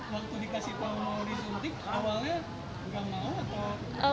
waktu dikasih tahu mau disuntik awalnya nggak mau atau